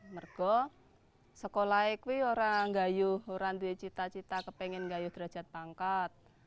karena sekolah itu orang yang gaya orang yang cita cita ingin gaya derajat pangkat